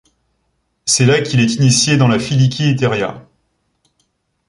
C'est là qu'il est initié dans la Filikí Etería.